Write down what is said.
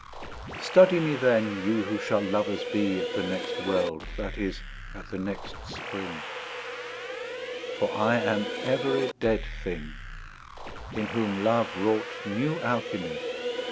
Study me then, you who shall lovers bee At the next world, that is, at the next Spring: For I am every dead thing, In whom love wrought new Alchimie.